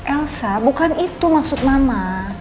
elsa bukan itu maksud mama